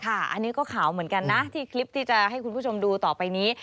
อันนี้ก็ขาวเหมือนกันนะที่คลิปที่จะให้คุณผู้ชมดูต่อไปนี้